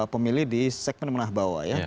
pemilih di segmen menah bawah